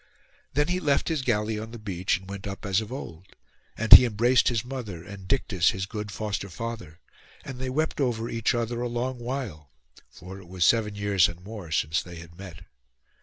Then he left his galley on the beach, and went up as of old; and he embraced his mother, and Dictys his good foster father, and they wept over each other a long while, for it was seven years and more since they had met.